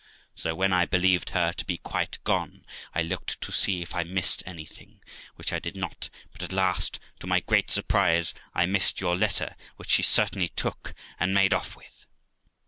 So when I believed her to be quite gone, I looked to see if I missed anything, which I did not; but at last, to my great surprise, I missed your letter, which she certainly took and made off with.